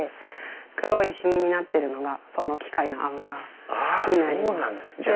黒い染みになってるのがその機械の油になります。